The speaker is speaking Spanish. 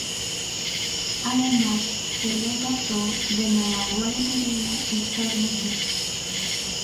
Además se le dotó de nueva boletería y torniquetes.